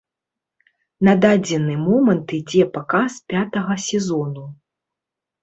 На дадзены момант ідзе паказ пятага сезону.